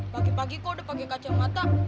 pagi pagi kok udah pakai kacamata